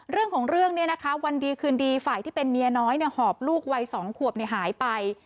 เรื่องของเรื่องนี้นะคะวันดีคืนดีฝ่ายที่เป็นเมียน้อยหอบลูกวัย๒ขวบหายไป